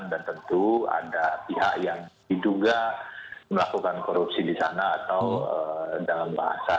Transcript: dan tentu ada pihak yang diduga melakukan korupsi di sana atau dalam bahasa